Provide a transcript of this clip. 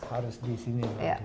harus di sini